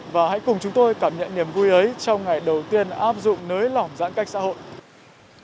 và hãy cùng chúng tôi cảm nhận niềm vui ấy trong ngày đầu tiên áp dụng nới lỏng giãn cách xã hội